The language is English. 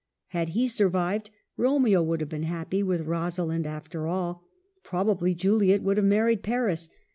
Had he survived, Romeo would have been happy with Rosalind, after all ; probably Juliet would have married Paris.